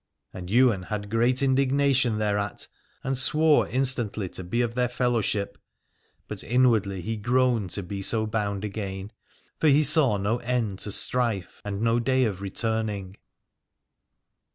And Ywain had great indignation thereat, and swore instantly to be 302 Aladore of their fellowship ; but inwardly he groaned to be so bound again, for he saw no end to strife and no day of returning.